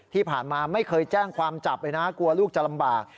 ที่ผ่านมาไม่เคยแจ้งความจับเลยนะกลัวลูกจะลำบาก